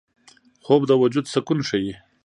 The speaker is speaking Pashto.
خوب د وجود سکون ښيي